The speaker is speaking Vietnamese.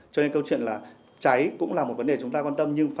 cho nên câu chuyện là cháy cũng là một vấn đề chúng ta quan tâm